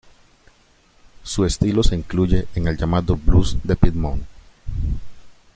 Su estilo se incluye en el llamado Blues de Piedmont.